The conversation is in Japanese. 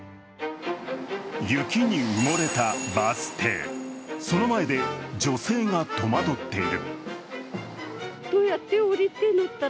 雪に埋もれたバス停、その前で女性が戸惑っている。